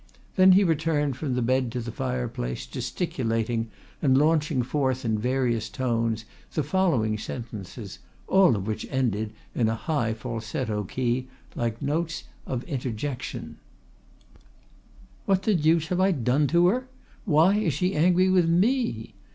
Then he returned from the bed to the fireplace, gesticulating, and launching forth in various tones the following sentences, all of which ended in a high falsetto key, like notes of interjection: "What the deuce have I done to her? Why is she angry with me?